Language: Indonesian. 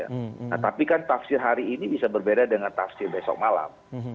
nah tapi kan tafsir hari ini bisa berbeda dengan tafsir besok malam